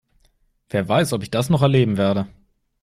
Wer weiß, ob ich das noch erleben werde?